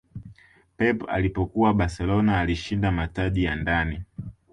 pep alipokuwa barcelona alishinda mataji ya ndani